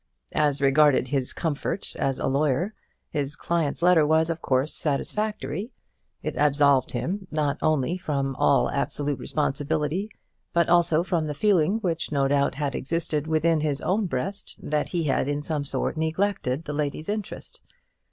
As regarded his comfort as a lawyer, his client's letter was of course satisfactory. It absolved him not only from all absolute responsibility, but also from the feeling which no doubt had existed within his own breast, that he had in some sort neglected the lady's interest.